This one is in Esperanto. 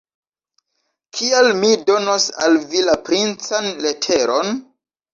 Kial mi donos al vi la princan leteron?